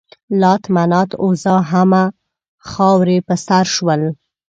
لات، منات، عزا همه خاورې په سر شول.